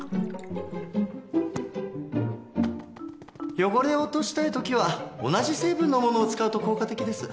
汚れを落としたい時は同じ成分のものを使うと効果的です。